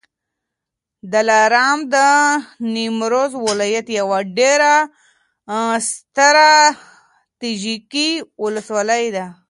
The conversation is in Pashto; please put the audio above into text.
دلارام د نیمروز ولایت یوه ډېره ستراتیژیکه ولسوالي ده